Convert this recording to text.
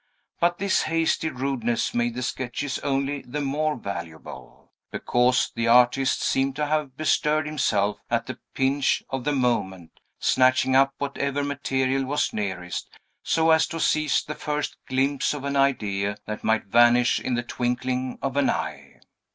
But this hasty rudeness made the sketches only the more valuable; because the artist seemed to have bestirred himself at the pinch of the moment, snatching up whatever material was nearest, so as to seize the first glimpse of an idea that might vanish in the twinkling of an eye.